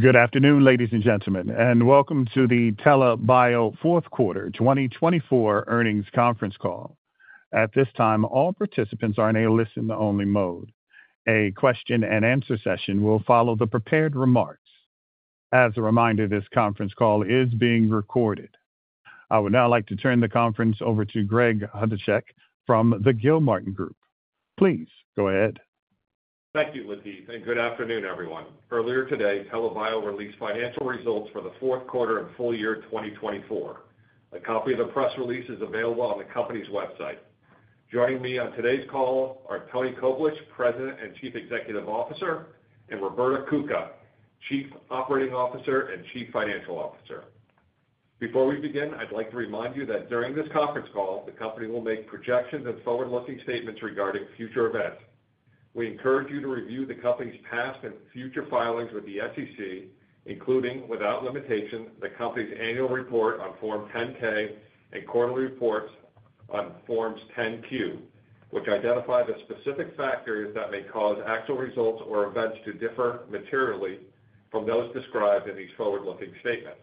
Good afternoon, ladies, and gentlemen, and welcome to the TELA Bio Fourth Quarter 2024 Earnings Conference Call. At this time, all participants are in a listen-only mode. A question-and-answer session will follow the prepared remarks. As a reminder, this conference call is being recorded. I would now like to turn the conference over to Greg Chodaczek from the Gilmartin Group. Please go ahead. Thank you, Latif, and good afternoon, everyone. Earlier today, TELA Bio released Financial Results for the Fourth Quarter of Full Year 2024. A copy of the press release is available on the company's website. Joining me on today's call are Tony Koblish, President and Chief Executive Officer, and Roberto Cuca, Chief Operating Officer and Chief Financial Officer. Before we begin, I'd like to remind you that during this conference call, the company will make projections and forward-looking statements regarding future events. We encourage you to review the company's past and future filings with the SEC, including, without limitation, the company's annual report on Form 10-K and quarterly reports on Forms 10-Q, which identify the specific factors that may cause actual results or events to differ materially from those described in these forward-looking statements.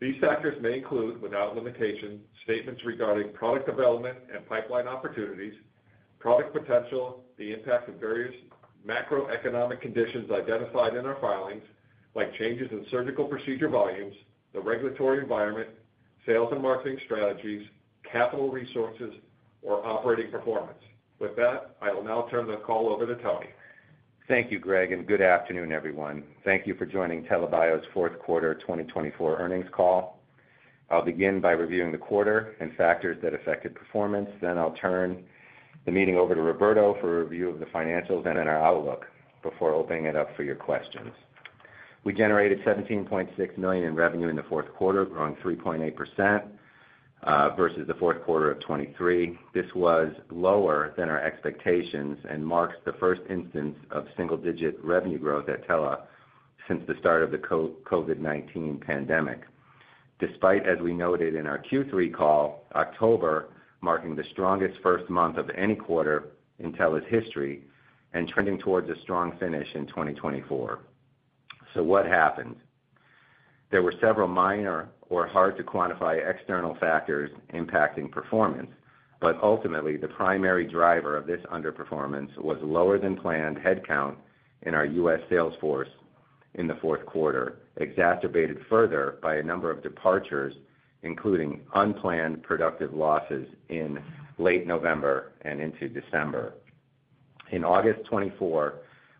These factors may include, without limitation, statements regarding product development and pipeline opportunities, product potential, the impact of various macroeconomic conditions identified in our filings, like changes in surgical procedure volumes, the regulatory environment, sales and marketing strategies, capital resources, or operating performance. With that, I will now turn the call over to Tony. Thank you, Greg, and good afternoon, everyone. Thank you for joining TELA Bio's Fourth Quarter 2024 Earnings Call. I'll begin by reviewing the quarter and factors that affected performance. Then I'll turn the meeting over to Roberto for a review of the financials and our outlook before opening it up for your questions. We generated $17.6 million in revenue in the fourth quarter, growing 3.8% versus the fourth quarter of 2023. This was lower than our expectations and marks the first instance of single-digit revenue growth at TELA since the start of the COVID-19 pandemic, despite, as we noted in our Q3 call, October marking the strongest first month of any quarter in TELA's history and trending towards a strong finish in 2024. What happened? There were several minor or hard-to-quantify external factors impacting performance, but ultimately, the primary driver of this underperformance was lower-than-planned headcount in our U.S. salesforce in the fourth quarter, exacerbated further by a number of departures, including unplanned productive losses in late November and into December. In August 2024,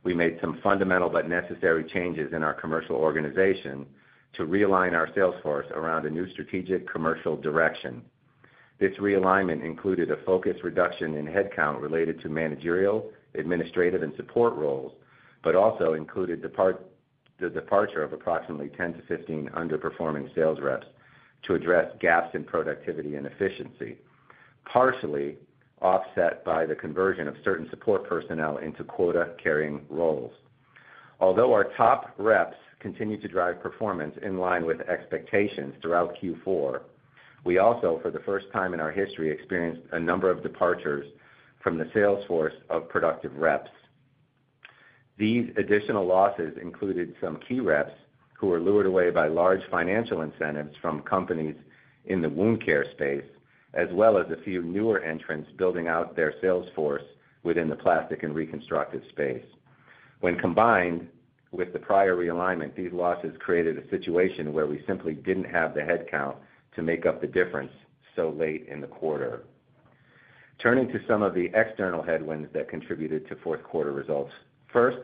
we made some fundamental but necessary changes in our commercial organization to realign our salesforce around a new strategic commercial direction. This realignment included a focus reduction in headcount related to managerial, administrative, and support roles, but also included the departure of approximately 10-15 underperforming sales reps to address gaps in productivity and efficiency, partially offset by the conversion of certain support personnel into quota-carrying roles. Although our top reps continue to drive performance in line with expectations throughout Q4, we also, for the first time in our history, experienced a number of departures from the salesforce of productive reps. These additional losses included some key reps who were lured away by large financial incentives from companies in the wound care space, as well as a few newer entrants building out their salesforce within the plastic and reconstructive space. When combined with the prior realignment, these losses created a situation where we simply did not have the headcount to make up the difference so late in the quarter. Turning to some of the external headwinds that contributed to fourth quarter results, first,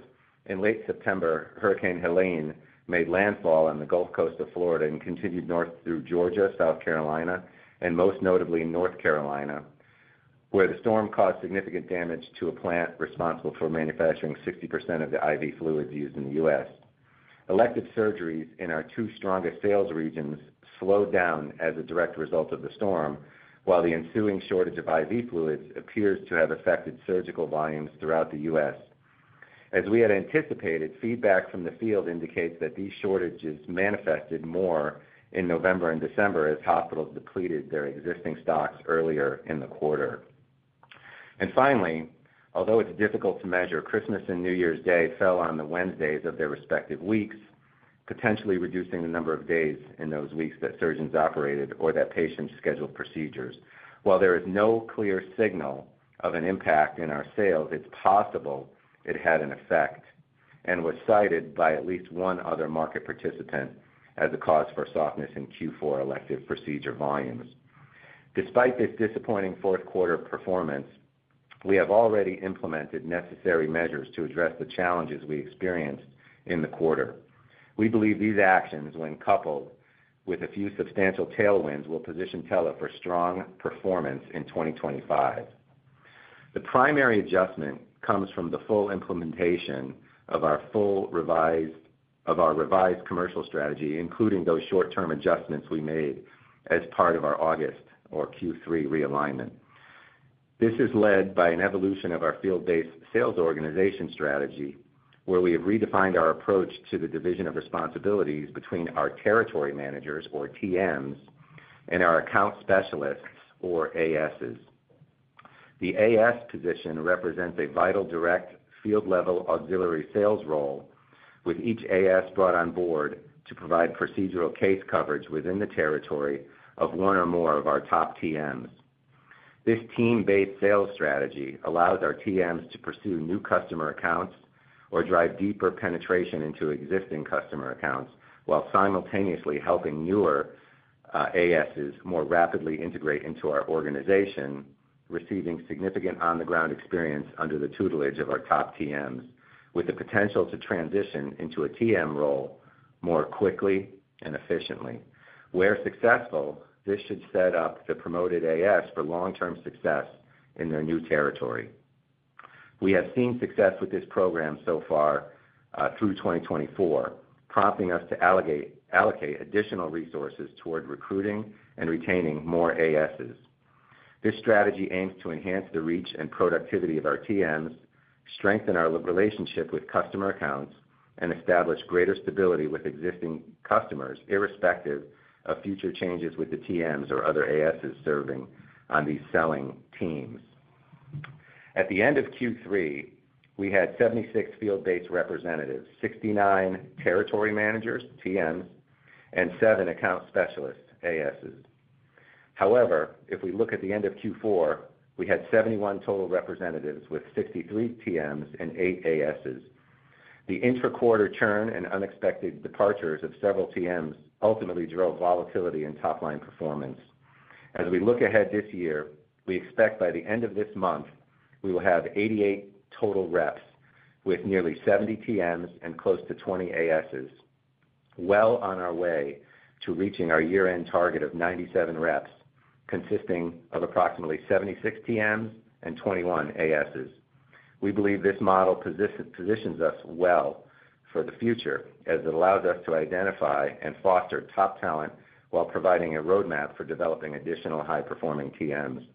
in late September, Hurricane Helene made landfall on the Gulf Coast of Florida and continued north through Georgia, South Carolina, and most notably North Carolina, where the storm caused significant damage to a plant responsible for manufacturing 60% of the IV fluids used in the U.S. Elective surgeries in our two strongest sales regions slowed down as a direct result of the storm, while the ensuing shortage of IV fluids appears to have affected surgical volumes throughout the U.S. As we had anticipated, feedback from the field indicates that these shortages manifested more in November and December as hospitals depleted their existing stocks earlier in the quarter. Finally, although it is difficult to measure, Christmas and New Year's Day fell on the Wednesdays of their respective weeks, potentially reducing the number of days in those weeks that surgeons operated or that patients scheduled procedures. While there is no clear signal of an impact in our sales, it is possible it had an effect and was cited by at least one other market participant as a cause for softness in Q4 elective procedure volumes. Despite this disappointing fourth quarter performance, we have already implemented necessary measures to address the challenges we experienced in the quarter. We believe these actions, when coupled with a few substantial tailwinds, will position TELA Bio for strong performance in 2025. The primary adjustment comes from the full implementation of our revised commercial strategy, including those short-term adjustments we made as part of our August or Q3 realignment. This is led by an evolution of our field-based sales organization strategy, where we have redefined our approach to the division of responsibilities between our territory managers, or TMs, and our account specialists, or ASs. The AS position represents a vital direct field-level auxiliary sales role, with each AS brought on board to provide procedural case coverage within the territory of one or more of our top TMs. This team-based sales strategy allows our TMs to pursue new customer accounts or drive deeper penetration into existing customer accounts while simultaneously helping newer ASs more rapidly integrate into our organization, receiving significant on-the-ground experience under the tutelage of our top TMs, with the potential to transition into a TM role more quickly and efficiently. Where successful, this should set up the promoted AS for long-term success in their new territory. We have seen success with this program so far through 2024, prompting us to allocate additional resources toward recruiting and retaining more ASs. This strategy aims to enhance the reach and productivity of our TMs, strengthen our relationship with customer accounts, and establish greater stability with existing customers, irrespective of future changes with the TMs or other ASs serving on these selling teams. At the end of Q3, we had 76 field-based representatives, 69 territory managers, TMs, and seven account specialists, ASs. However, if we look at the end of Q4, we had 71 total representatives with 63 TMs and eight ASs. The intra-quarter churn and unexpected departures of several TMs ultimately drove volatility in top-line performance. As we look ahead this year, we expect by the end of this month, we will have 88 total reps with nearly 70 TMs and close to 20 ASs, well on our way to reaching our year-end target of 97 reps, consisting of approximately 76 TMs and 21 ASs. We believe this model positions us well for the future as it allows us to identify and foster top talent while providing a roadmap for developing additional high-performing TMs.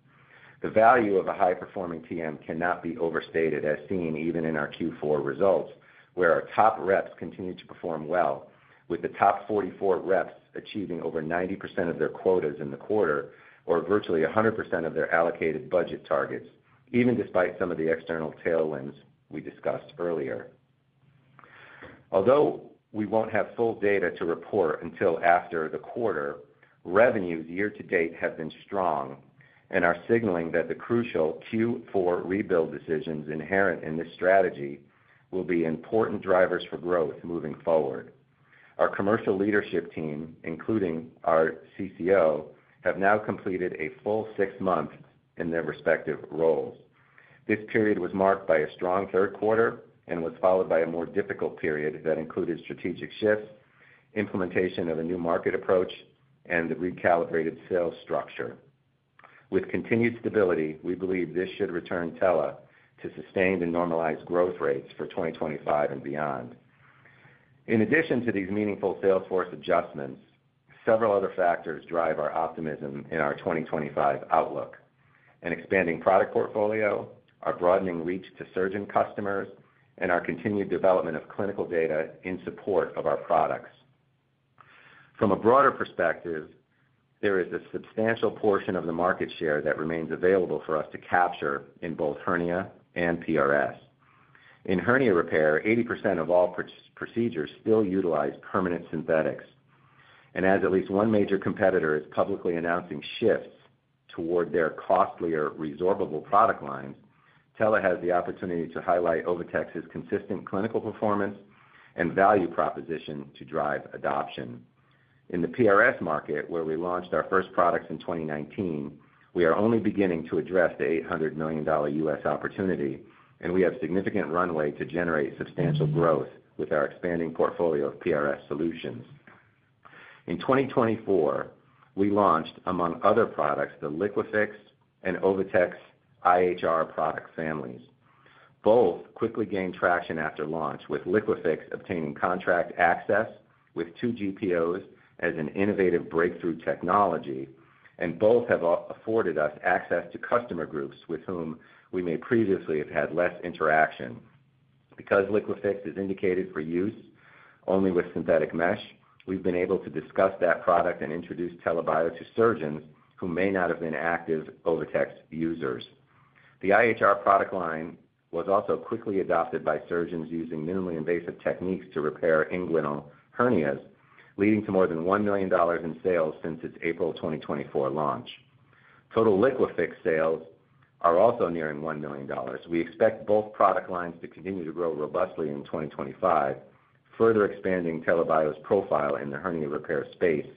The value of a high-performing TM cannot be overstated, as seen even in our Q4 results, where our top reps continue to perform well, with the top 44 reps achieving over 90% of their quotas in the quarter or virtually 100% of their allocated budget targets, even despite some of the external tailwinds we discussed earlier. Although we won't have full data to report until after the quarter, revenues year-to-date have been strong and are signaling that the crucial Q4 rebuild decisions inherent in this strategy will be important drivers for growth moving forward. Our commercial leadership team, including our CCO, have now completed a full six months in their respective roles. This period was marked by a strong third quarter and was followed by a more difficult period that included strategic shifts, implementation of a new market approach, and the recalibrated sales structure. With continued stability, we believe this should return TELA to sustained and normalized growth rates for 2025 and beyond. In addition to these meaningful salesforce adjustments, several other factors drive our optimism in our 2025 outlook: an expanding product portfolio, our broadening reach to surgeon customers, and our continued development of clinical data in support of our products. From a broader perspective, there is a substantial portion of the market share that remains available for us to capture in both hernia and PRS. In hernia repair, 80% of all procedures still utilize permanent synthetics. As at least one major competitor is publicly announcing shifts toward their costlier resorbable product lines, TELA has the opportunity to highlight OviTex's consistent clinical performance and value proposition to drive adoption. In the PRS market, where we launched our first products in 2019, we are only beginning to address the $800 million U.S. opportunity, and we have significant runway to generate substantial growth with our expanding portfolio of PRS solutions. In 2024, we launched, among other products, the LiquiFix and OviTex IHR product families. Both quickly gained traction after launch, with LiquiFix obtaining contract access with two GPOs as an innovative breakthrough technology, and both have afforded us access to customer groups with whom we may previously have had less interaction. Because LiquiFix is indicated for use only with synthetic mesh, we've been able to discuss that product and introduce TELA Bio to surgeons who may not have been active OviTex users. The IHR product line was also quickly adopted by surgeons using minimally invasive techniques to repair inguinal hernias, leading to more than $1 million in sales since its April 2024 launch. Total LiquiFix sales are also nearing $1 million. We expect both product lines to continue to grow robustly in 2025, further expanding TELA Bio's profile in the hernia repair space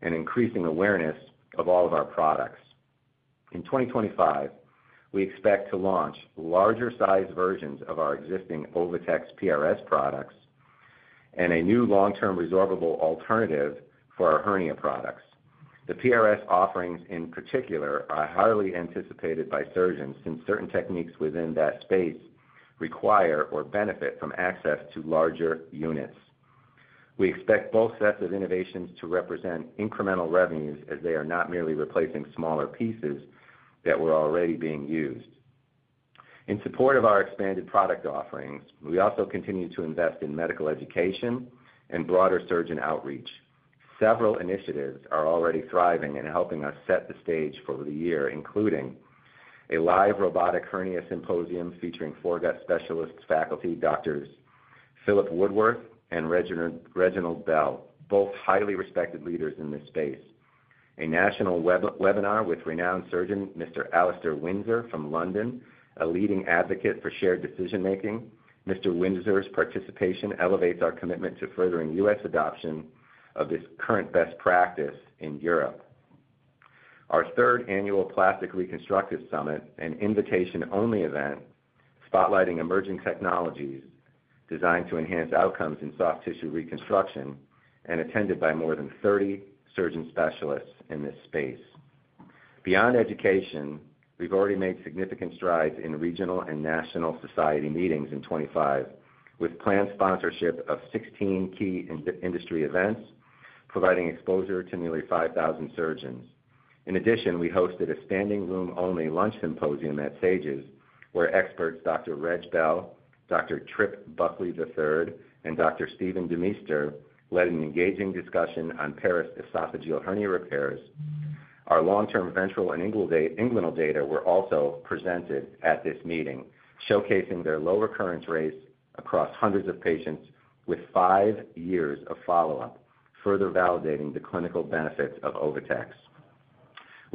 and increasing awareness of all of our products. In 2025, we expect to launch larger-sized versions of our existing OviTex PRS products and a new long-term resorbable alternative for our hernia products. The PRS offerings, in particular, are highly anticipated by surgeons since certain techniques within that space require or benefit from access to larger units. We expect both sets of innovations to represent incremental revenues as they are not merely replacing smaller pieces that were already being used. In support of our expanded product offerings, we also continue to invest in medical education and broader surgeon outreach. Several initiatives are already thriving and helping us set the stage for the year, including a live robotic hernia symposium featuring foregut specialists, faculty, Dr. Philip Woodworth and Reginald Bell, both highly respected leaders in this space. A national webinar with renowned surgeon Mr. Alastair Windsor from London, a leading advocate for shared decision-making. Mr. Windsor's participation elevates our commitment to furthering U.S. adoption of this current best practice in Europe. Our third annual Plastic Reconstructive Summit, an invitation-only event spotlighting emerging technologies designed to enhance outcomes in soft tissue reconstruction, and attended by more than 30 surgeon specialists in this space. Beyond education, we've already made significant strides in regional and national society meetings in 2025, with planned sponsorship of 16 key industry events, providing exposure to nearly 5,000 surgeons. In addition, we hosted a standing room-only lunch symposium at SAGES, where experts Dr. Reginald Bell, Dr. Tripp Buckley III, and Dr. Steven DeMeester led an engaging discussion on paraesophageal hernia repairs. Our long-term ventral and inguinal data were also presented at this meeting, showcasing their low recurrence rates across hundreds of patients with five years of follow-up, further validating the clinical benefits of OviTex.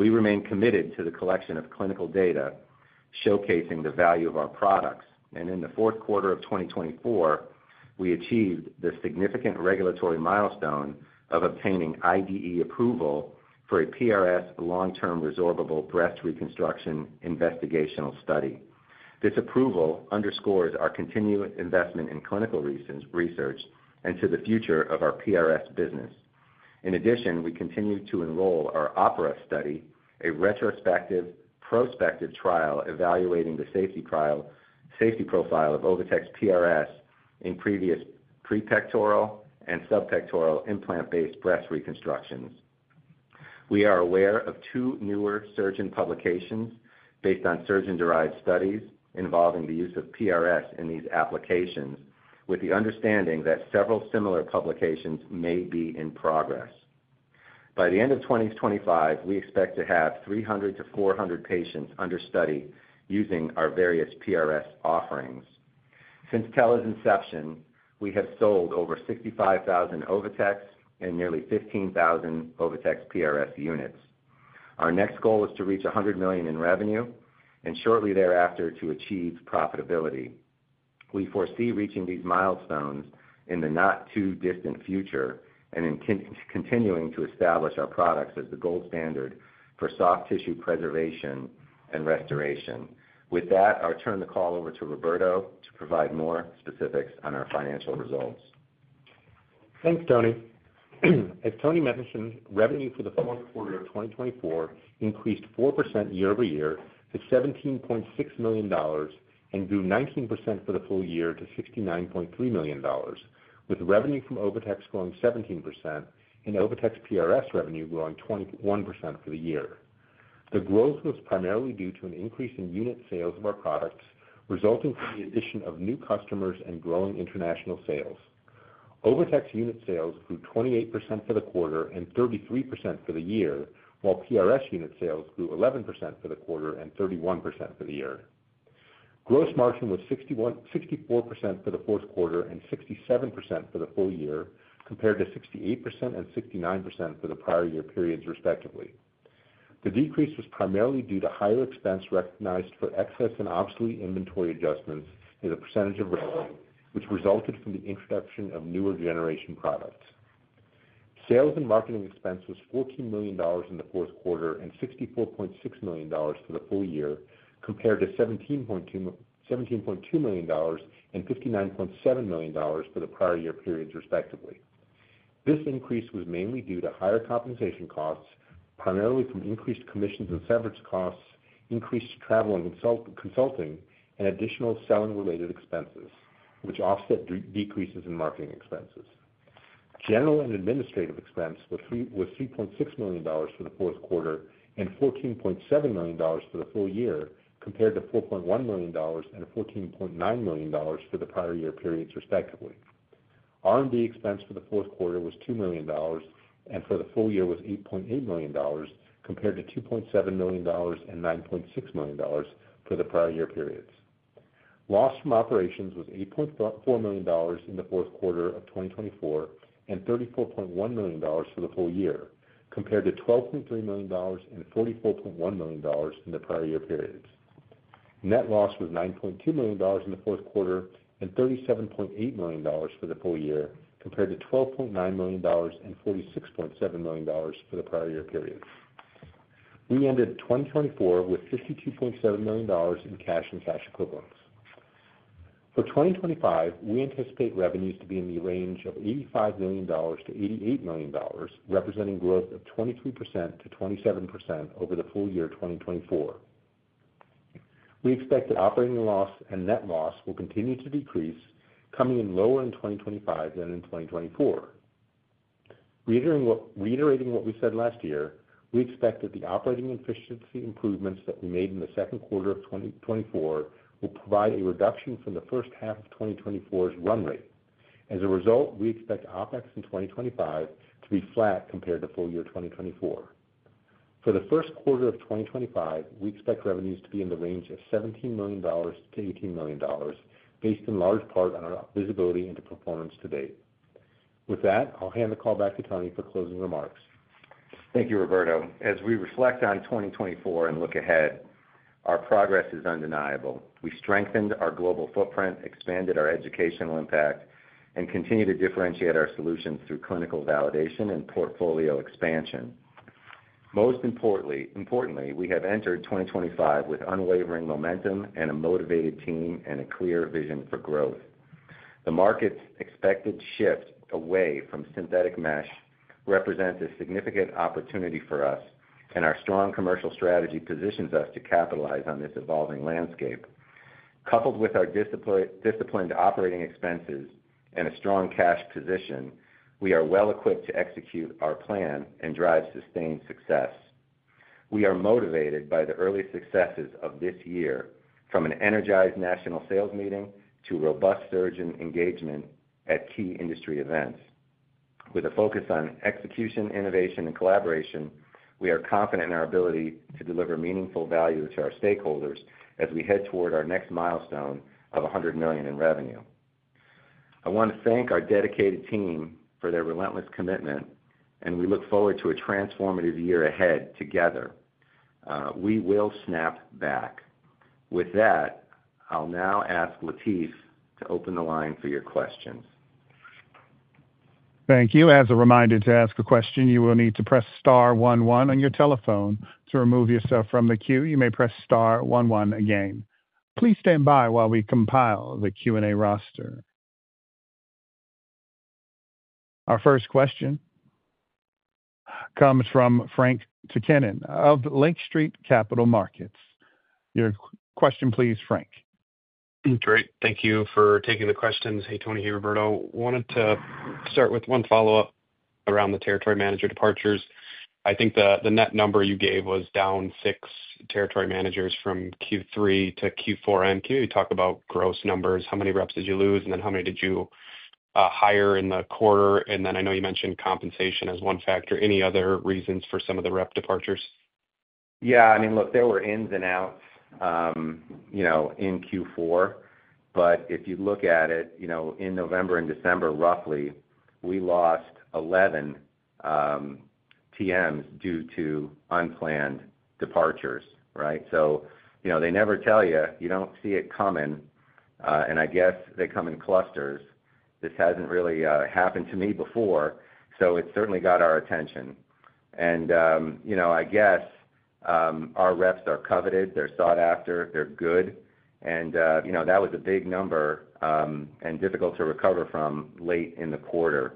We remain committed to the collection of clinical data showcasing the value of our products. In the fourth quarter of 2024, we achieved the significant regulatory milestone of obtaining IDE approval for a PRS long-term resorbable breast reconstruction investigational study. This approval underscores our continued investment in clinical research and to the future of our PRS business. In addition, we continue to enroll our OPERA study, a retrospective prospective trial evaluating the safety profile of OviTex PRS in previous prepectoral and subpectoral implant-based breast reconstructions. We are aware of two newer surgeon publications based on surgeon-derived studies involving the use of PRS in these applications, with the understanding that several similar publications may be in progress. By the end of 2025, we expect to have 300-400 patients under study using our various PRS offerings. Since TELA's inception, we have sold over 65,000 OviTex and nearly 15,000 OviTex PRS units. Our next goal is to reach $100 million in revenue and shortly thereafter to achieve profitability. We foresee reaching these milestones in the not-too-distant future and continuing to establish our products as the gold standard for soft tissue preservation and restoration. With that, I'll turn the call over to Roberto to provide more specifics on our financial results. Thanks, Tony. As Tony mentioned, revenue for the fourth quarter of 2024 increased 4% year-over-year to $17.6 million and grew 19% for the full year to $69.3 million, with revenue from OviTex growing 17% and OviTex PRS revenue growing 21% for the year. The growth was primarily due to an increase in unit sales of our products, resulting from the addition of new customers and growing international sales. OviTex unit sales grew 28% for the quarter and 33% for the year, while PRS unit sales grew 11% for the quarter and 31% for the year. Gross margin was 64% for the fourth quarter and 67% for the full year, compared to 68% and 69% for the prior year periods, respectively. The decrease was primarily due to higher expense recognized for excess and obsolete inventory adjustments in the percentage of revenue, which resulted from the introduction of newer generation products. Sales and marketing expense was $14 million in the fourth quarter and $64.6 million for the full year, compared to $17.2 million and $59.7 million for the prior year periods, respectively. This increase was mainly due to higher compensation costs, primarily from increased commissions and severance costs, increased travel and consulting, and additional selling-related expenses, which offset decreases in marketing expenses. General and administrative expense was $3.6 million for the fourth quarter and $14.7 million for the full year, compared to $4.1 million and $14.9 million for the prior year periods, respectively. R&D expense for the fourth quarter was $2 million, and for the full year was $8.8 million, compared to $2.7 million and $9.6 million for the prior year periods. Loss from operations was $8.4 million in the fourth quarter of 2024 and $34.1 million for the full year, compared to $12.3 million and $44.1 million in the prior year periods. Net loss was $9.2 million in the fourth quarter and $37.8 million for the full year, compared to $12.9 million and $46.7 million for the prior year periods. We ended 2024 with $52.7 million in cash and cash equivalents. For 2025, we anticipate revenues to be in the range of $85 million-$88 million, representing growth of 23%-27% over the full year 2024. We expect that operating loss and net loss will continue to decrease, coming in lower in 2025 than in 2024. Reiterating what we said last year, we expect that the operating efficiency improvements that we made in the second quarter of 2024 will provide a reduction from the first half of 2024's run rate. As a result, we expect OpEx in 2025 to be flat compared to full year 2024. For the first quarter of 2025, we expect revenues to be in the range of $17 million-$18 million, based in large part on our visibility into performance to date. With that, I'll hand the call back to Tony for closing remarks. Thank you, Roberto. As we reflect on 2024 and look ahead, our progress is undeniable. We strengthened our global footprint, expanded our educational impact, and continue to differentiate our solutions through clinical validation and portfolio expansion. Most importantly, we have entered 2025 with unwavering momentum and a motivated team and a clear vision for growth. The market's expected shift away from synthetic mesh represents a significant opportunity for us, and our strong commercial strategy positions us to capitalize on this evolving landscape. Coupled with our disciplined operating expenses and a strong cash position, we are well-equipped to execute our plan and drive sustained success. We are motivated by the early successes of this year, from an energized national sales meeting to robust surgeon engagement at key industry events. With a focus on execution, innovation, and collaboration, we are confident in our ability to deliver meaningful value to our stakeholders as we head toward our next milestone of $100 million in revenue. I want to thank our dedicated team for their relentless commitment, and we look forward to a transformative year ahead together. We will snap back. With that, I'll now ask Latif to open the line for your questions. Thank you. As a reminder to ask a question, you will need to press star one-one on your telephone to remove yourself from the queue. You may press star one-one again. Please stand by while we compile the Q&A roster. Our first question comes from Frank Takkinen of Lake Street Capital Markets. Your question, please, Frank. Great. Thank you for taking the questions. Hey, Tony here, Roberto. Wanted to start with one follow-up around the territory manager departures. I think the net number you gave was down six territory managers from Q3-Q4. Can you talk about gross numbers? How many reps did you lose, and then how many did you hire in the quarter? I know you mentioned compensation as one factor. Any other reasons for some of the rep departures? Yeah. I mean, look, there were ins and outs in Q4, but if you look at it, in November and December, roughly, we lost 11 TMs due to unplanned departures, right? They never tell you. You do not see it coming. I guess they come in clusters. This has not really happened to me before, so it certainly got our attention. I guess our reps are coveted. They are sought after. They are good. That was a big number and difficult to recover from late in the quarter.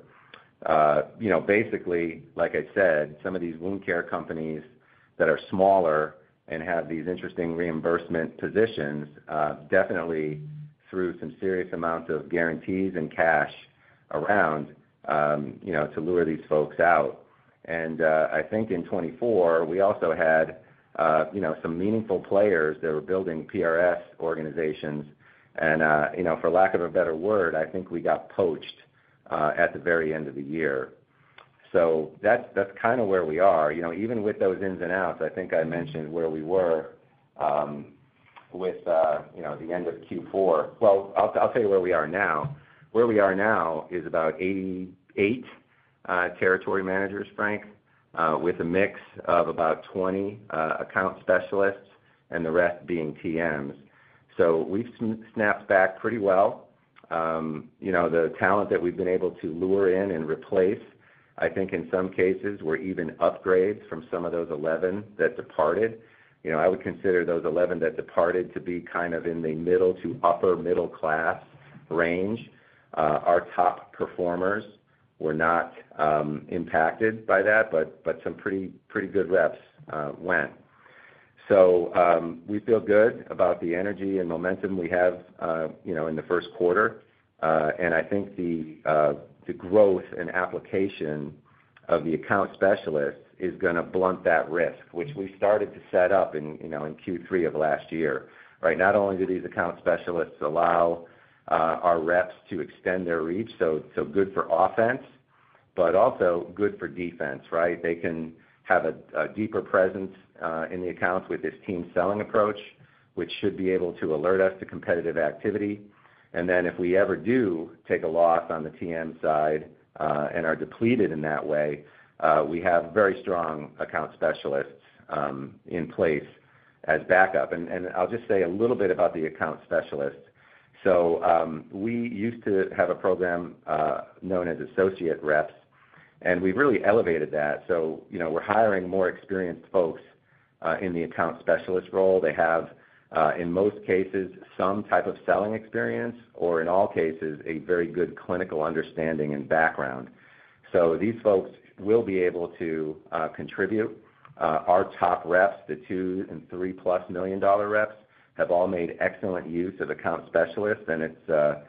Basically, like I said, some of these wound care companies that are smaller and have these interesting reimbursement positions definitely threw some serious amounts of guarantees and cash around to lure these folks out. I think in 2024, we also had some meaningful players that were building PRS organizations. For lack of a better word, I think we got poached at the very end of the year. That is kind of where we are. Even with those ins and outs, I think I mentioned where we were with the end of Q4. I will tell you where we are now. Where we are now is about 88 territory managers, Frank, with a mix of about 20 account specialists and the rest being TMs. We have snapped back pretty well. The talent that we have been able to lure in and replace, I think in some cases were even upgrades from some of those 11 that departed. I would consider those 11 that departed to be kind of in the middle to upper middle-class range. Our top performers were not impacted by that, but some pretty good reps went. We feel good about the energy and momentum we have in the first quarter. I think the growth and application of the account specialists is going to blunt that risk, which we started to set up in Q3 of last year, right? Not only do these account specialists allow our reps to extend their reach, so good for offense, but also good for defense, right? They can have a deeper presence in the accounts with this team selling approach, which should be able to alert us to competitive activity. If we ever do take a loss on the TM side and are depleted in that way, we have very strong account specialists in place as backup. I'll just say a little bit about the account specialists. We used to have a program known as associate reps, and we've really elevated that. We're hiring more experienced folks in the account specialist role. They have, in most cases, some type of selling experience or, in all cases, a very good clinical understanding and background. These folks will be able to contribute. Our top reps, the two and three-plus million dollar reps, have all made excellent use of account specialists, and it's a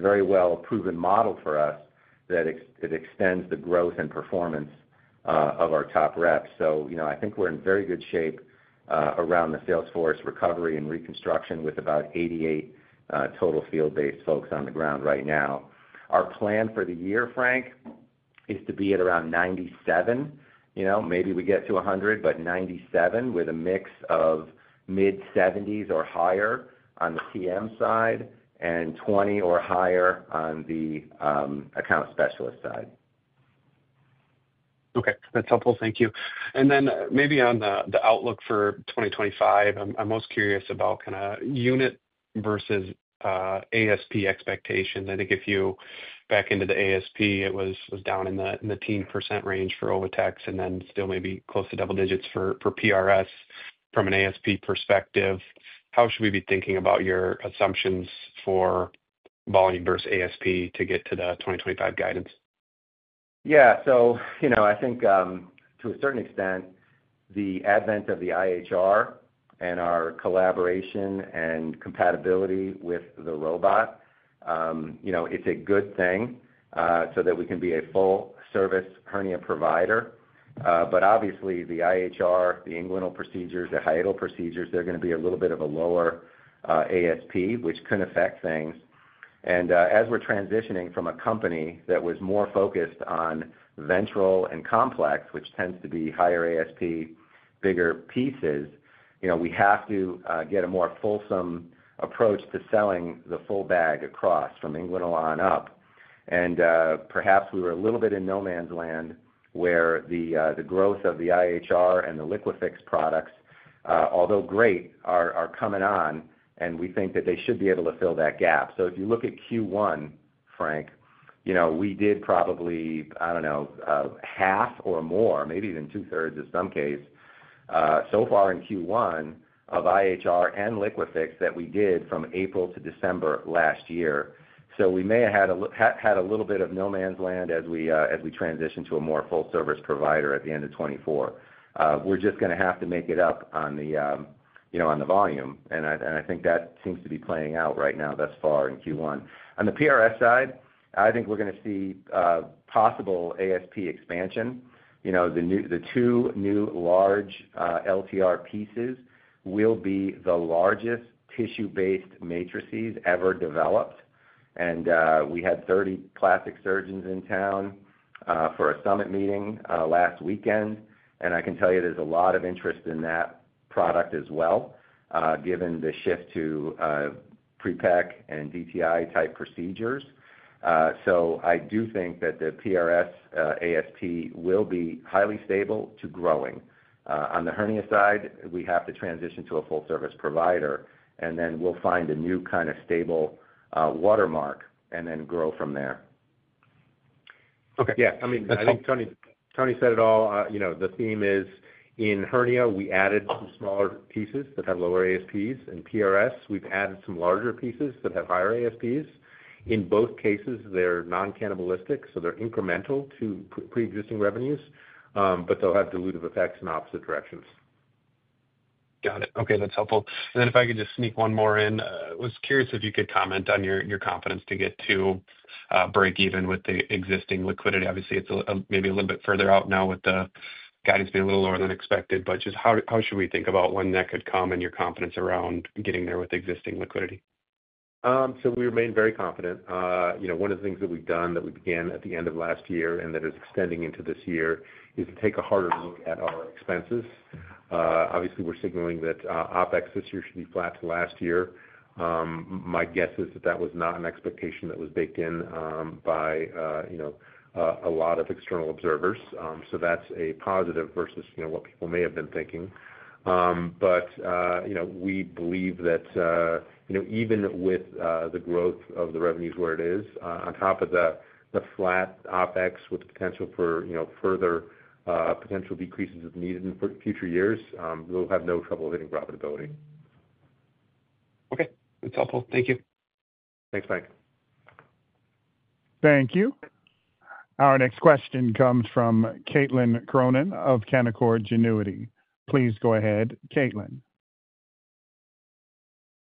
very well-proven model for us that extends the growth and performance of our top reps. I think we're in very good shape around the salesforce recovery and reconstruction with about 88 total field-based folks on the ground right now. Our plan for the year, Frank, is to be at around 97. Maybe we get to 100, but 97 with a mix of mid-70s or higher on the TM side and 20 or higher on the account specialist side. Okay. That's helpful. Thank you. Maybe on the outlook for 2025, I'm most curious about kind of unit versus ASP expectation. I think if you back into the ASP, it was down in the 10% range for OviTex, and then still maybe close to double digits for PRS from an ASP perspective. How should we be thinking about your assumptions for volume versus ASP to get to the 2025 guidance? Yeah. I think to a certain extent, the advent of the IHR and our collaboration and compatibility with the robot, it's a good thing so that we can be a full-service hernia provider. Obviously, the IHR, the inguinal procedures, the hiatal procedures, they're going to be a little bit of a lower ASP, which can affect things. As we're transitioning from a company that was more focused on ventral and complex, which tends to be higher ASP, bigger pieces, we have to get a more fulsome approach to selling the full bag across from inguinal on up. Perhaps we were a little bit in no-man's land where the growth of the IHR and the LiquiFix products, although great, are coming on, and we think that they should be able to fill that gap. If you look at Q1, Frank, we did probably, I don't know, half or more, maybe even two-thirds in some case, so far in Q1 of IHR and LiquiFix that we did from April to December last year. We may have had a little bit of no-man's land as we transition to a more full-service provider at the end of 2024. We're just going to have to make it up on the volume. I think that seems to be playing out right now thus far in Q1. On the PRS side, I think we're going to see possible ASP expansion. The two new large LTR pieces will be the largest tissue-based matrices ever developed. We had 30 plastic surgeons in town for a summit meeting last weekend. I can tell you there's a lot of interest in that product as well, given the shift to prepec and DTI-type procedures. I do think that the PRS ASP will be highly stable to growing. On the hernia side, we have to transition to a full-service provider, and then we'll find a new kind of stable watermark and then grow from there. Okay. Yeah. I mean, I think Tony said it all. The theme is in hernia, we added some smaller pieces that have lower ASPs. In PRS, we've added some larger pieces that have higher ASPs. In both cases, they're non-cannibalistic, so they're incremental to pre-existing revenues, but they'll have dilutive effects in opposite directions. Got it. Okay. That's helpful. If I could just sneak one more in, I was curious if you could comment on your confidence to get to break even with the existing liquidity. Obviously, it's maybe a little bit further out now with the guidance being a little lower than expected, but just how should we think about when that could come and your confidence around getting there with existing liquidity? We remain very confident. One of the things that we've done that we began at the end of last year and that is extending into this year is to take a harder look at our expenses. Obviously, we're signaling that OpEx this year should be flat to last year. My guess is that that was not an expectation that was baked in by a lot of external observers. That's a positive versus what people may have been thinking. We believe that even with the growth of the revenues where it is, on top of the flat OpEx with the potential for further potential decreases if needed in future years, we'll have no trouble hitting profitability. Okay. That's helpful. Thank you. Thanks, Frank. Thank you. Our next question comes from Caitlin Cronin of Canaccord Genuity. Please go ahead, Caitlin.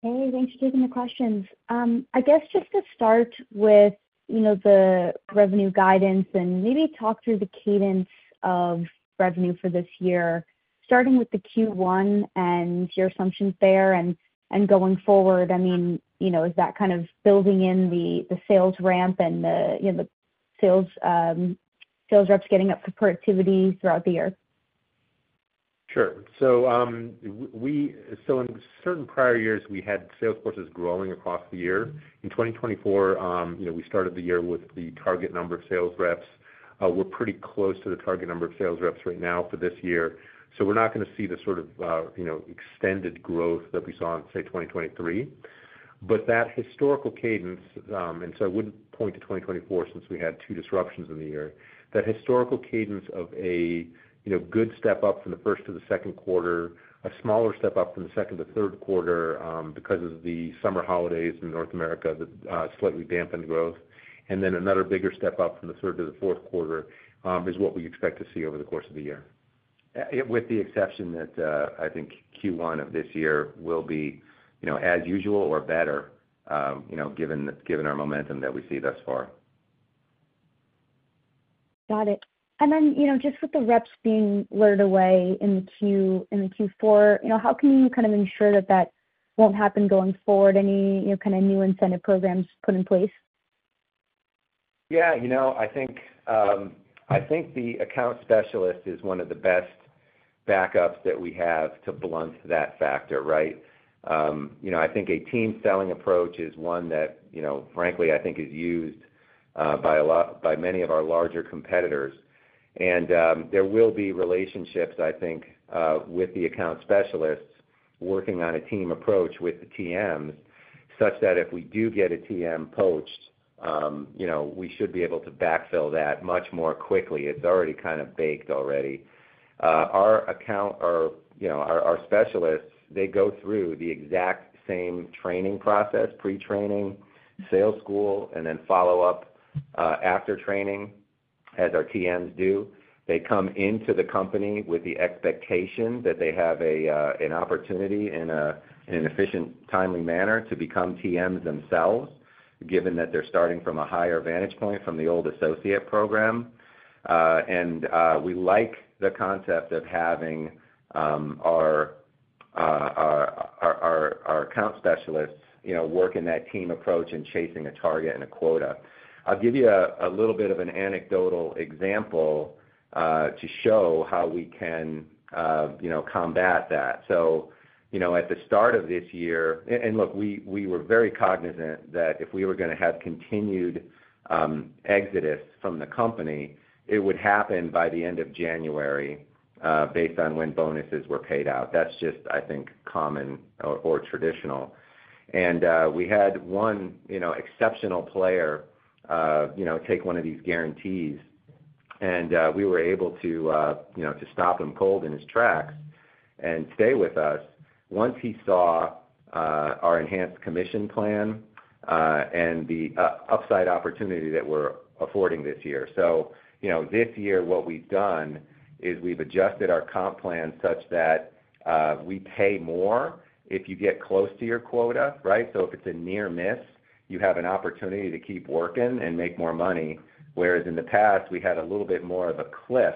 Hey, thanks for taking the questions. I guess just to start with the revenue guidance and maybe talk through the cadence of revenue for this year, starting with the Q1 and your assumptions there and going forward. I mean, is that kind of building in the sales ramp and the sales reps getting up for productivity throughout the year? Sure. In certain prior years, we had sales forces growing across the year. In 2024, we started the year with the target number of sales reps. We're pretty close to the target number of sales reps right now for this year. We're not going to see the sort of extended growth that we saw in, say, 2023. That historical cadence, and I wouldn't point to 2024 since we had two disruptions in the year, that historical cadence of a good step up from the first to the second quarter, a smaller step up from the second to third quarter because of the summer holidays in North America, slightly dampened growth, and then another bigger step up from the third to the fourth quarter is what we expect to see over the course of the year. With the exception that I think Q1 of this year will be as usual or better given our momentum that we see thus far. Got it. And then just with the reps being lured away in the Q4, how can you kind of ensure that that won't happen going forward? Any kind of new incentive programs put in place? Yeah. I think the account specialist is one of the best backups that we have to blunt that factor, right? I think a team selling approach is one that, frankly, I think is used by many of our larger competitors. There will be relationships, I think, with the account specialists working on a team approach with the TMs such that if we do get a TM poached, we should be able to backfill that much more quickly. It's already kind of baked already. Our specialists, they go through the exact same training process: pre-training, sales school, and then follow-up after training, as our TMs do. They come into the company with the expectation that they have an opportunity in an efficient, timely manner to become TMs themselves, given that they're starting from a higher vantage point from the old associate program. We like the concept of having our account specialists work in that team approach and chasing a target and a quota. I'll give you a little bit of an anecdotal example to show how we can combat that. At the start of this year, we were very cognizant that if we were going to have continued exodus from the company, it would happen by the end of January based on when bonuses were paid out. That's just, I think, common or traditional. We had one exceptional player take one of these guarantees, and we were able to stop him cold in his tracks and stay with us once he saw our enhanced commission plan and the upside opportunity that we're affording this year. This year, what we've done is we've adjusted our comp plan such that we pay more if you get close to your quota, right? If it's a near miss, you have an opportunity to keep working and make more money. Whereas in the past, we had a little bit more of a cliff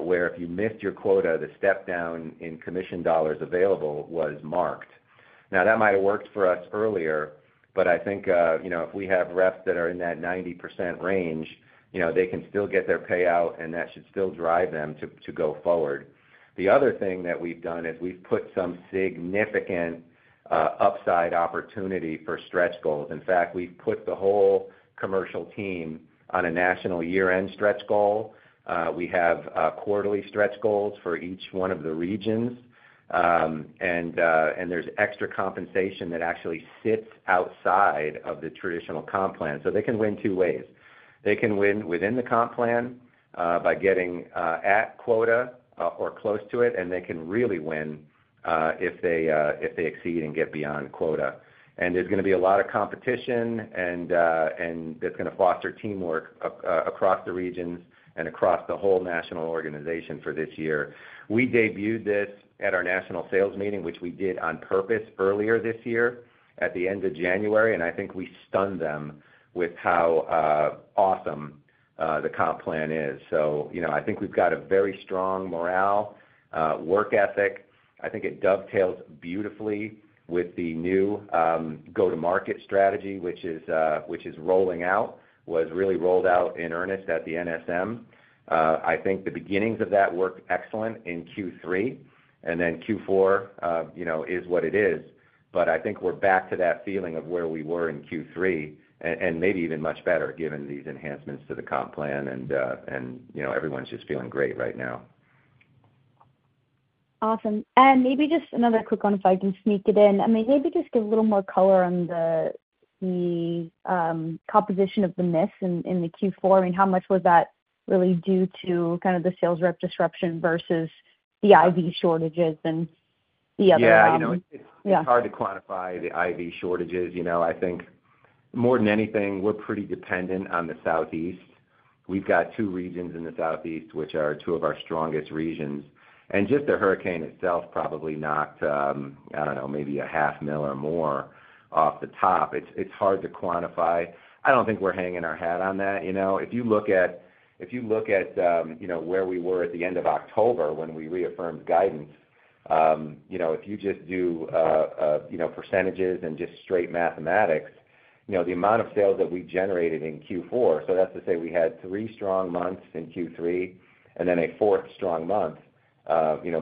where if you missed your quota, the step down in commission dollars available was marked. That might have worked for us earlier, but I think if we have reps that are in that 90% range, they can still get their payout, and that should still drive them to go forward. The other thing that we've done is we've put some significant upside opportunity for stretch goals. In fact, we've put the whole commercial team on a national year-end stretch goal. We have quarterly stretch goals for each one of the regions, and there's extra compensation that actually sits outside of the traditional comp plan. They can win two ways. They can win within the comp plan by getting at quota or close to it, and they can really win if they exceed and get beyond quota. There's going to be a lot of competition, and that's going to foster teamwork across the regions and across the whole national organization for this year. We debuted this at our national sales meeting, which we did on purpose earlier this year at the end of January, and I think we stunned them with how awesome the comp plan is. I think we've got a very strong morale, work ethic. I think it dovetails beautifully with the new go-to-market strategy, which is rolling out, was really rolled out in earnest at the NSM. I think the beginnings of that worked excellent in Q3, and then Q4 is what it is. I think we're back to that feeling of where we were in Q3 and maybe even much better given these enhancements to the comp plan, and everyone's just feeling great right now. Awesome. Maybe just another quick one if I can sneak it in. I mean, maybe just give a little more color on the composition of the miss in the Q4. I mean, how much was that really due to kind of the sales rep disruption versus the IV shortages and the other? Yeah. It's hard to quantify the IV shortages. I think more than anything, we're pretty dependent on the southeast. We've got two regions in the southeast, which are two of our strongest regions. Just the hurricane itself, probably not, I don't know, maybe $500,000 or more off the top. It's hard to quantify. I don't think we're hanging our hat on that. If you look at where we were at the end of October when we reaffirmed guidance, if you just do percentages and just straight mathematics, the amount of sales that we generated in Q4, that's to say we had three strong months in Q3 and then a fourth strong month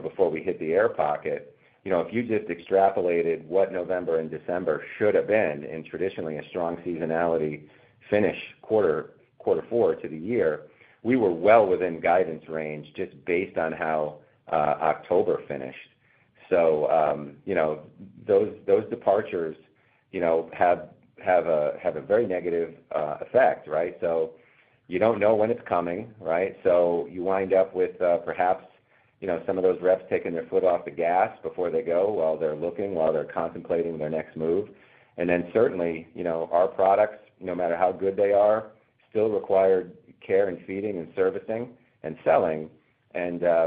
before we hit the air pocket. If you just extrapolated what November and December should have been in traditionally a strong seasonality finish quarter four to the year, we were well within guidance range just based on how October finished. Those departures have a very negative effect, right? You do not know when it is coming, right? You wind up with perhaps some of those reps taking their foot off the gas before they go while they are looking, while they are contemplating their next move. Certainly, our products, no matter how good they are, still require care and feeding and servicing and selling.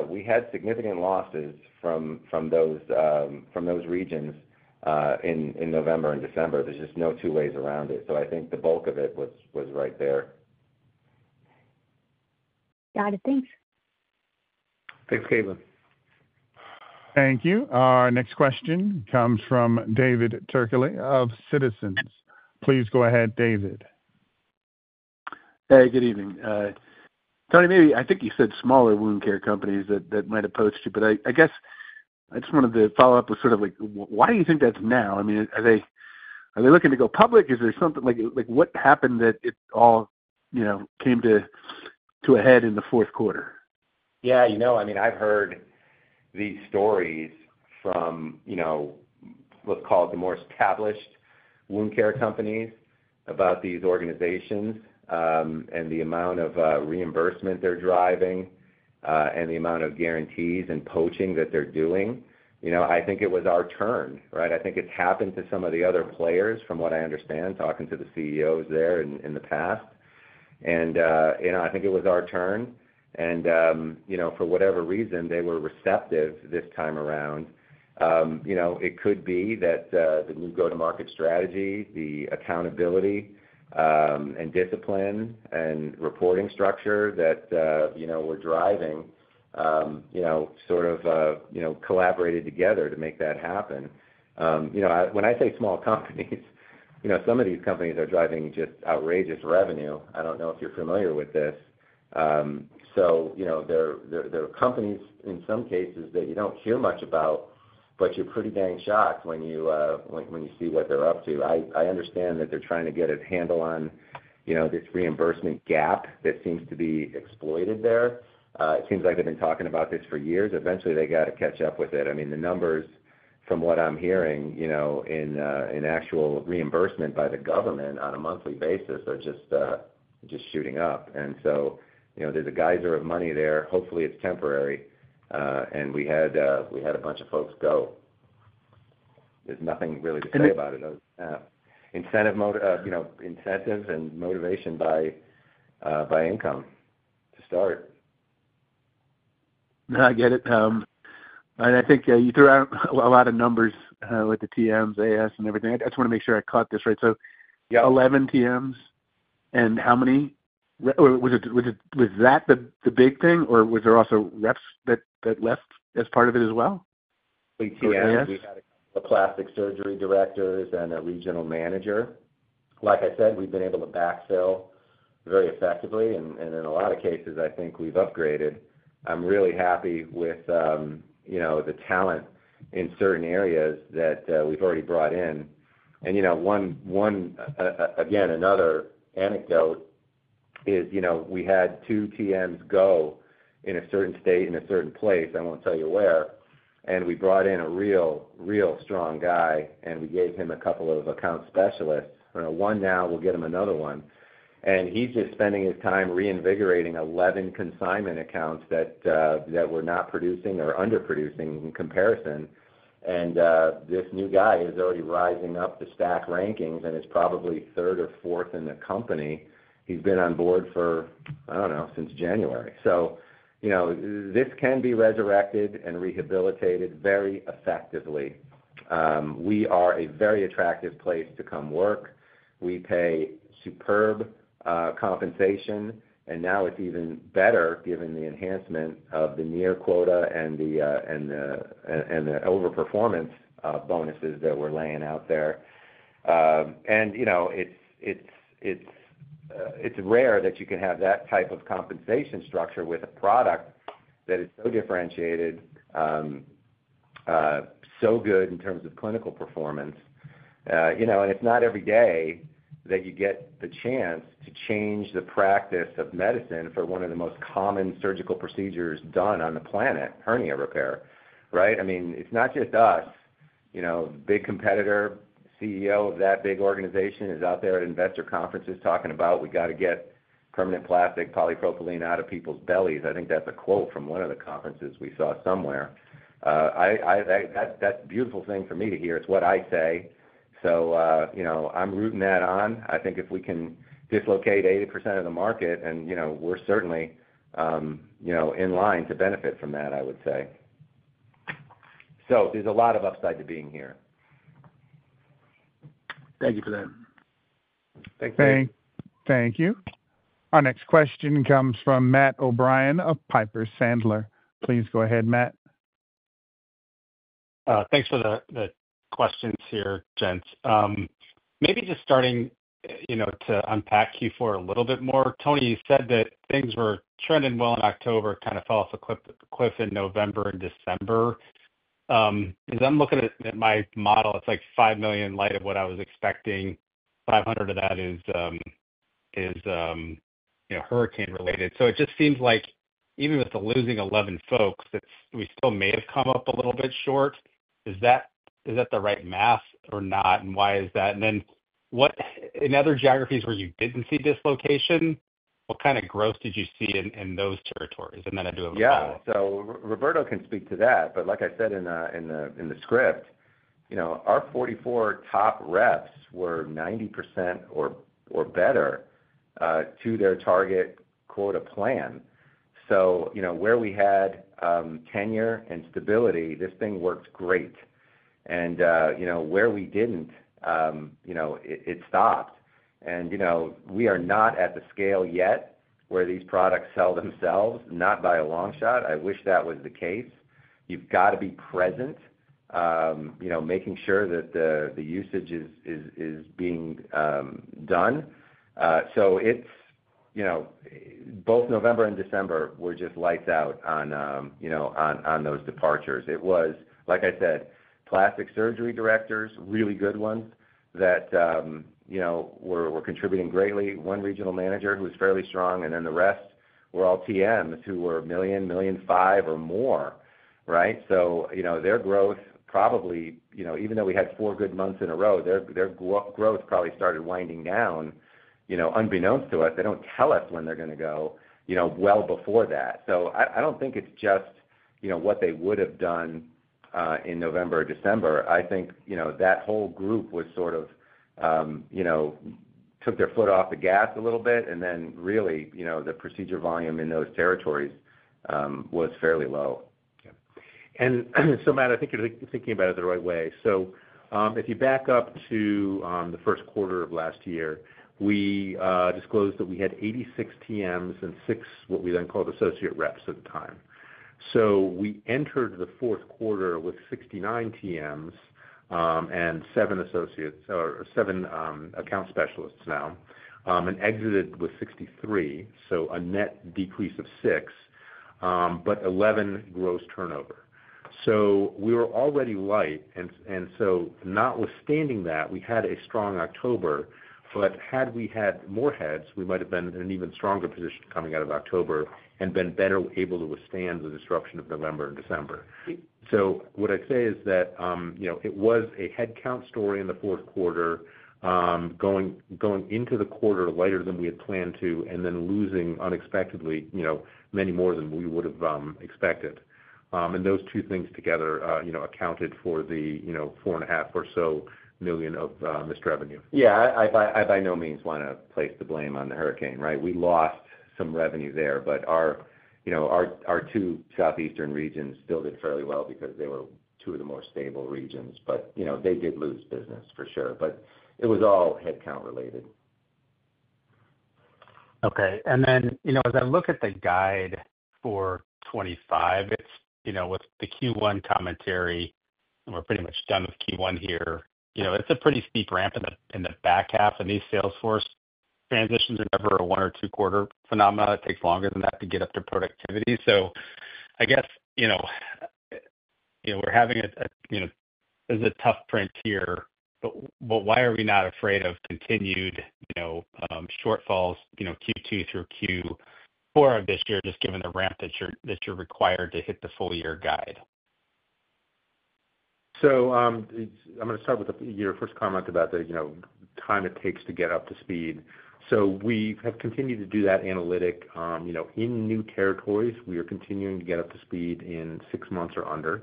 We had significant losses from those regions in November and December. There is just no two ways around it. I think the bulk of it was right there. Got it. Thanks. Thanks, Caitlin. Thank you. Our next question comes from David Turkaly of Citizens. Please go ahead, David. Hey, good evening. Tony, maybe I think you said smaller wound care companies that might have poached you, but I guess I just wanted to follow-up with sort of why do you think that's now? I mean, are they looking to go public? Is there something like what happened that it all came to a head in the fourth quarter? Yeah. I mean, I've heard these stories from, let's call it, the more established wound care companies about these organizations and the amount of reimbursement they're driving and the amount of guarantees and poaching that they're doing. I think it was our turn, right? I think it's happened to some of the other players from what I understand, talking to the CEOs there in the past. I think it was our turn. For whatever reason, they were receptive this time around. It could be that the new go-to-market strategy, the accountability and discipline and reporting structure that we're driving sort of collaborated together to make that happen. When I say small companies, some of these companies are driving just outrageous revenue. I don't know if you're familiar with this. There are companies in some cases that you do not hear much about, but you are pretty dang shocked when you see what they are up to. I understand that they are trying to get a handle on this reimbursement gap that seems to be exploited there. It seems like they have been talking about this for years. Eventually, they have to catch up with it. I mean, the numbers from what I am hearing in actual reimbursement by the government on a monthly basis are just shooting up. There is a geyser of money there. Hopefully, it is temporary. We had a bunch of folks go. There is nothing really to say about it. Incentives and motivation by income to start. I get it. I think you threw out a lot of numbers with the TMs, AS, and everything. I just want to make sure I caught this right. 11 TMs and how many? Was that the big thing, or was there also reps that left as part of it as well? We had a plastic surgery director and a regional manager. Like I said, we've been able to backfill very effectively. In a lot of cases, I think we've upgraded. I'm really happy with the talent in certain areas that we've already brought in. Another anecdote is we had two TMs go in a certain state in a certain place. I won't tell you where. We brought in a real, real strong guy, and we gave him a couple of account specialists. One now, we'll get him another one. He's just spending his time reinvigorating 11 consignment accounts that were not producing or underproducing in comparison. This new guy is already rising up the stack rankings and is probably third or fourth in the company. He's been on board for, I don't know, since January. This can be resurrected and rehabilitated very effectively. We are a very attractive place to come work. We pay superb compensation, and now it's even better given the enhancement of the near quota and the overperformance bonuses that we're laying out there. It's rare that you can have that type of compensation structure with a product that is so differentiated, so good in terms of clinical performance. It's not every day that you get the chance to change the practice of medicine for one of the most common surgical procedures done on the planet, hernia repair, right? I mean, it's not just us. Big competitor, CEO of that big organization is out there at investor conferences talking about, "We got to get permanent plastic polypropylene out of people's bellies." I think that's a quote from one of the conferences we saw somewhere. That's a beautiful thing for me to hear. It's what I say. I'm rooting that on. I think if we can dislocate 80% of the market, and we're certainly in line to benefit from that, I would say. There's a lot of upside to being here. Thank you for that. Thank you. Thank you. Our next question comes from Matt O'Brien of Piper Sandler. Please go ahead, Matt. Thanks for the questions here, gents. Maybe just starting to unpack Q4 a little bit more. Tony, you said that things were trending well in October, kind of fell off a cliff in November and December. As I'm looking at my model, it's like $5 million light of what I was expecting. $500,000 of that is hurricane-related. It just seems like even with the losing 11 folks, we still may have come up a little bit short. Is that the right math or not, and why is that? In other geographies where you did not see dislocation, what kind of growth did you see in those territories? I do a follow-up. Yeah. Roberto can speak to that. Like I said in the script, our 44 top reps were 90% or better to their target quota plan. Where we had tenure and stability, this thing worked great. Where we did not, it stopped. We are not at the scale yet where these products sell themselves, not by a long shot. I wish that was the case. You have got to be present, making sure that the usage is being done. Both November and December were just lights out on those departures. It was, like I said, plastic surgery directors, really good ones that were contributing greatly. One regional manager who was fairly strong, and then the rest were all TMs who were million, million five or more, right? Their growth, probably even though we had four good months in a row, their growth probably started winding down unbeknownst to us. They do not tell us when they are going to go well before that. I do not think it is just what they would have done in November or December. I think that whole group sort of took their foot off the gas a little bit, and then really the procedure volume in those territories was fairly low. Matt, I think you're thinking about it the right way. If you back up to the first quarter of last year, we disclosed that we had 86 TMs and six what we then called associate reps at the time. We entered the fourth quarter with 69 TMs and seven associates or seven account specialists now and exited with 63, so a net decrease of six, but 11 gross turnover. We were already light. Notwithstanding that, we had a strong October. Had we had more heads, we might have been in an even stronger position coming out of October and been better able to withstand the disruption of November and December. What I'd say is that it was a headcount story in the fourth quarter, going into the quarter lighter than we had planned to, and then losing unexpectedly many more than we would have expected. Those two things together accounted for the $4.5 million or so of missed revenue. Yeah. I by no means want to place the blame on the hurricane, right? We lost some revenue there, but our two southeastern regions still did fairly well because they were two of the more stable regions. They did lose business for sure. It was all headcount-related. Okay. And then as I look at the guide for 2025, with the Q1 commentary, and we're pretty much done with Q1 here, it's a pretty steep ramp in the back half. These salesforce transitions are never a one or two-quarter phenomenon. It takes longer than that to get up to productivity. I guess we're having a—this is a tough print here, but why are we not afraid of continued shortfalls Q2 through Q4 of this year, just given the ramp that you're required to hit the full year guide? I'm going to start with your first comment about the time it takes to get up to speed. We have continued to do that analytic in new territories. We are continuing to get up to speed in six months or under.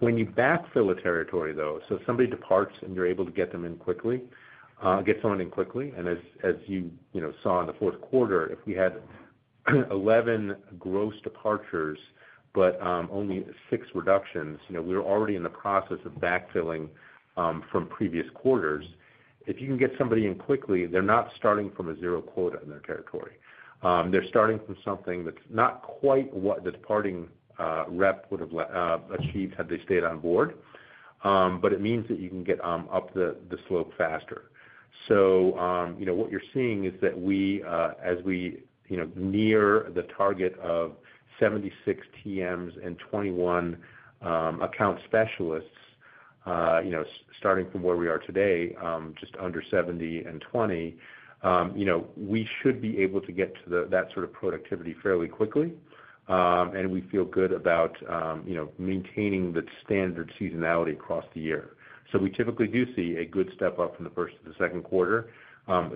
When you backfill a territory, though, somebody departs and you're able to get them in quickly, get someone in quickly. As you saw in the fourth quarter, if we had 11 gross departures, but only six reductions, we were already in the process of backfilling from previous quarters. If you can get somebody in quickly, they're not starting from a zero quota in their territory. They're starting from something that's not quite what the departing rep would have achieved had they stayed on board, but it means that you can get up the slope faster. What you're seeing is that as we near the target of 76 TMs and 21 account specialists, starting from where we are today, just under 70 and 20, we should be able to get to that sort of productivity fairly quickly. We feel good about maintaining the standard seasonality across the year. We typically do see a good step up from the first to the second quarter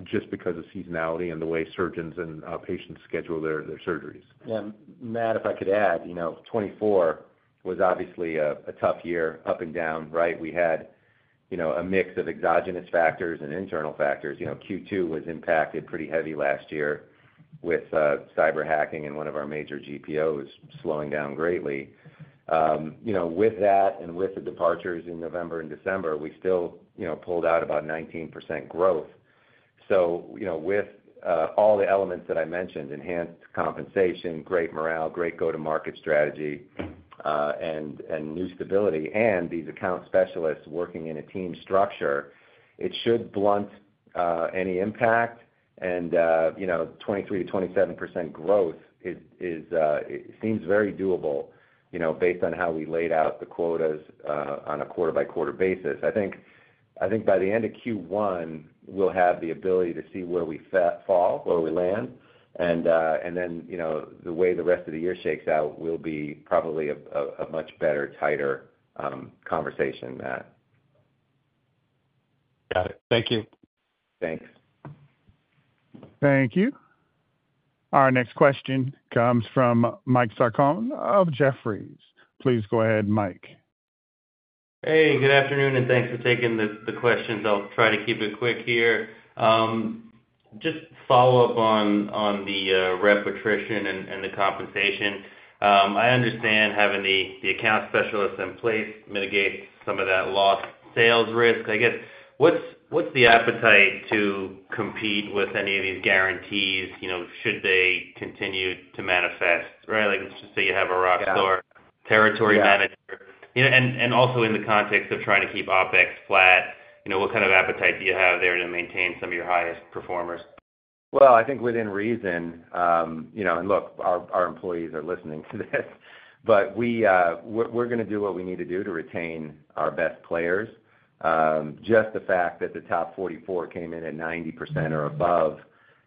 just because of seasonality and the way surgeons and patients schedule their surgeries. Yeah. Matt, if I could add, 2024 was obviously a tough year up and down, right? We had a mix of exogenous factors and internal factors. Q2 was impacted pretty heavy last year with cyber hacking and one of our major GPOs slowing down greatly. With that and with the departures in November and December, we still pulled out about 19% growth. With all the elements that I mentioned, enhanced compensation, great morale, great go-to-market strategy, and new stability, and these account specialists working in a team structure, it should blunt any impact. And 23%-27% growth seems very doable based on how we laid out the quotas on a quarter-by-quarter basis. I think by the end of Q1, we'll have the ability to see where we fall, where we land. The way the rest of the year shakes out will be probably a much better, tighter conversation, Matt. Got it. Thank you. Thanks. Thank you. Our next question comes from Mike Sarcone of Jefferies. Please go ahead, Mike. Hey, good afternoon, and thanks for taking the questions. I'll try to keep it quick here. Just follow-up on the rep attrition and the compensation. I understand having the account specialists in place mitigates some of that lost sales risk. I guess what's the appetite to compete with any of these guarantees should they continue to manifest, right? Let's just say you have a rock star territory manager. Also in the context of trying to keep OpEx flat, what kind of appetite do you have there to maintain some of your highest performers? I think within reason. Look, our employees are listening to this, but we're going to do what we need to do to retain our best players. Just the fact that the top 44 came in at 90% or above,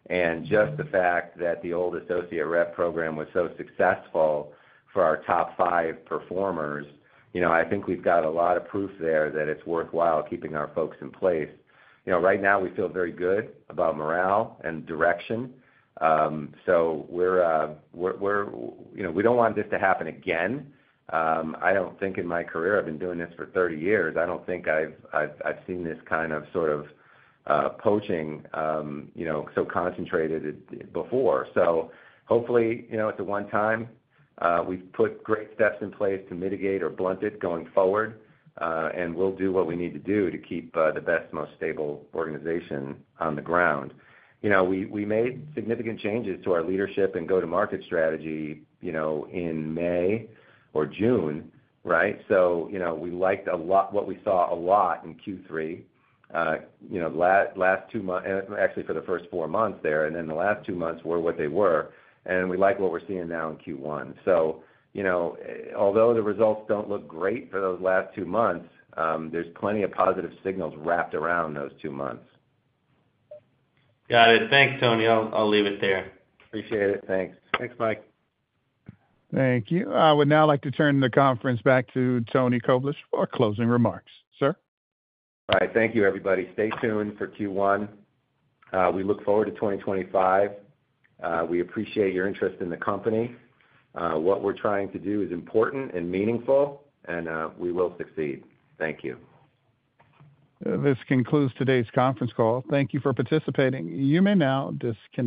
and just the fact that the old associate rep program was so successful for our top five performers, I think we've got a lot of proof there that it's worthwhile keeping our folks in place. Right now, we feel very good about morale and direction. We don't want this to happen again. I don't think in my career, I've been doing this for 30 years, I don't think I've seen this kind of sort of poaching so concentrated before. Hopefully, it's a one-time. We've put great steps in place to mitigate or blunt it going forward, and we'll do what we need to do to keep the best, most stable organization on the ground. We made significant changes to our leadership and go-to-market strategy in May or June, right? We liked a lot what we saw a lot in Q3, last two months, actually for the first four months there, and then the last two months were what they were. We like what we're seeing now in Q1. Although the results don't look great for those last two months, there's plenty of positive signals wrapped around those two months. Got it. Thanks, Tony. I'll leave it there. Appreciate it. Thanks. Thanks, Mike. Thank you. I would now like to turn the conference back to Tony Koblish for closing remarks. Sir? All right. Thank you, everybody. Stay tuned for Q1. We look forward to 2025. We appreciate your interest in the company. What we're trying to do is important and meaningful, and we will succeed. Thank you. This concludes today's conference call. Thank you for participating. You may now disconnect.